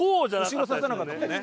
後ろ指さなかったもんね。